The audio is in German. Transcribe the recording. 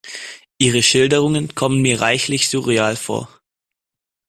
Ihre Schilderungen kommen mir reichlich surreal vor.